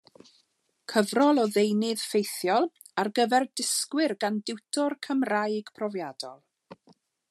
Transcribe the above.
Cyfrol o ddeunydd ffeithiol ar gyfer dysgwyr gan diwtor Cymraeg profiadol.